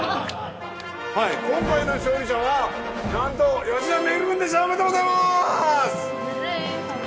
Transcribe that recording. はい今回の勝利者はなんと吉田運くんでしたおめでとうございます！